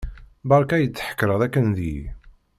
Berka i d-tḥekkreḍ akken deg-i.